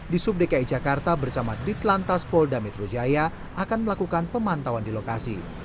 di sub dki jakarta bersama dit lantas pol damit rujaya akan melakukan pemantauan di lokasi